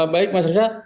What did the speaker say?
baik mas resa